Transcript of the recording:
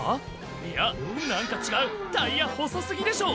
いや何か違うタイヤ細過ぎでしょ！